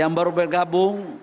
yang baru bergabung